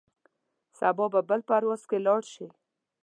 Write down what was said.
سبا به بل پرواز کې لاړ شې.